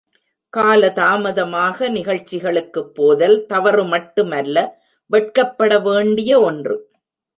காலதாமதமாக நிகழ்ச்சிகளுக்குப் போதல் தவறுமட்டுமல்ல, வெட்கப்படவேண்டிய ஒன்று.